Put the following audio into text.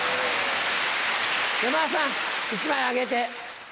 山田さん１枚あげて。